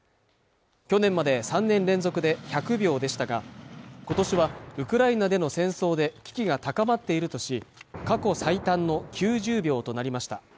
去年まで３年連続で１００秒でしたが今年はウクライナでの戦争で危機が高まっているとし過去最短の９０秒となりました